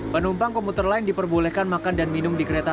penumpang komuter lain diperbolehkan makan dan minum di kereta